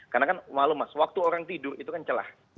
karena kan malu mas waktu orang tidur itu kan celah